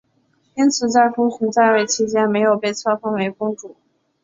因此在父亲在位期间没有被册封为公主。